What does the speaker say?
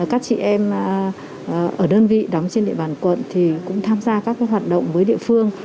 các chị em ở đơn vị đóng trên địa bàn quận cũng tham gia các hoạt động với địa phương